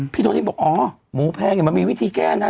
พี่โทนี่บอกอ๋อหมูแพงมันมีวิธีแก้นะ